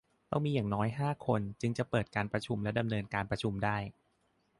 ต้องมีอย่างน้อยห้าคน จึงจะเปิดการประชุมและดำเนินการประชุมได้